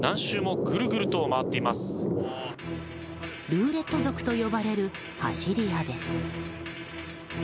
ルーレット族と呼ばれる走り屋です。